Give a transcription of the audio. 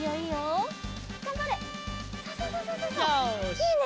いいね！